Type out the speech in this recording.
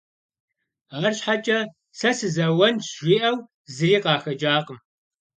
АрщхьэкӀэ, сэ сызэуэнщ жиӀэу зыри къахэкӀакъым.